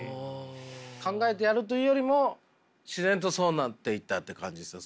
考えてやるというよりも自然とそうなっていったって感じですね。